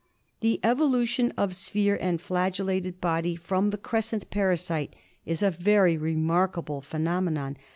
This evolution of sphere and flagellated body from the crescent parasite is a very remarkable phenomenon.